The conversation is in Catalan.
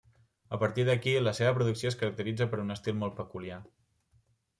A partir d'aquí, la seva producció es caracteritza per un estil molt peculiar.